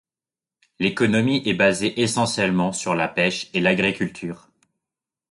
L'économie est basée essentiellement sur la pêche et l'agriculture.